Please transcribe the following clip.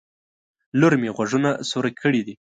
لور مې غوږونه سوروي کړي دي